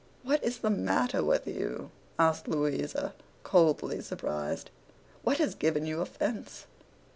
'What is the matter with you?' asked Louisa, coldly surprised. 'What has given you offence?